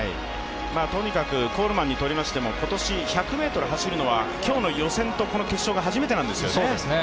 とにかくコールマンにとりましても今年１００ｍ走るのは今日の予選と決勝が初めてなんですよね。